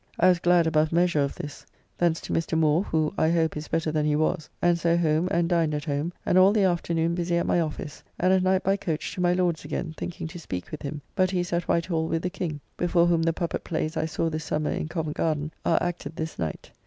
I was glad above measure of this. Thence to Mr. Moore, who, I hope, is better than he was, and so home and dined at home, and all the afternoon busy at my office, and at night by coach to my Lord's again, thinking to speak with him, but he is at White Hall with the King, before whom the puppet plays I saw this summer in Covent garden are acted this night.